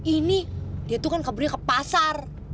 ini dia tuh kan kebunnya ke pasar